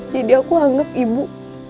jadi aku anggap ibu